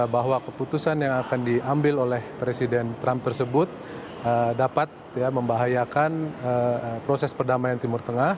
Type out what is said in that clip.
bahwa keputusan yang akan diambil oleh presiden trump tersebut dapat membahayakan proses perdamaian timur tengah